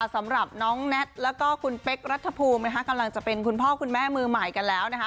สำหรับน้องแน็ตแล้วก็คุณเป๊กรัฐภูมินะคะกำลังจะเป็นคุณพ่อคุณแม่มือใหม่กันแล้วนะคะ